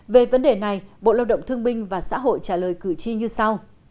về vấn đề này bộ lao động thương binh và xã hội trả lời cử tri như sau